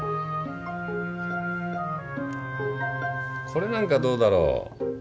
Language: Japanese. これなんかどうだろう？